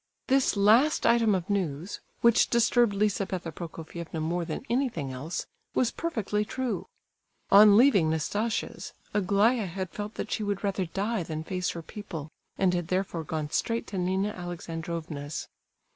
This last item of news, which disturbed Lizabetha Prokofievna more than anything else, was perfectly true. On leaving Nastasia's, Aglaya had felt that she would rather die than face her people, and had therefore gone straight to Nina Alexandrovna's.